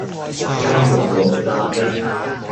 雞肉綠咖哩